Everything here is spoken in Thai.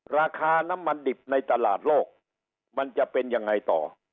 ราคาน้ำมันดิบในตลาดโลกมันจะเป็นยังไงต่อ